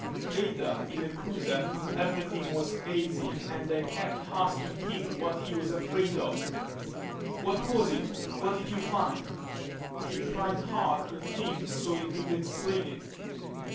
Later, in the cruiser, everything was hazy and they kept asking him what he was afraid of. "What was it what did you find?" He tried hard to think so he could explain it.